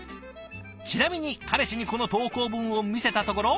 ちなみに彼氏にこの投稿文を見せたところ。